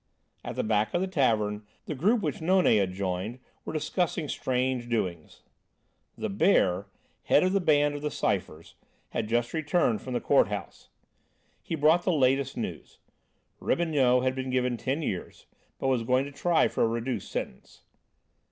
At the back of the tavern, the group which Nonet had joined were discussing strange doings. "The Bear," head of the band of the Cyphers, had just returned from the courthouse. He brought the latest news. Riboneau had been given ten years, but was going to try for a reduced sentence.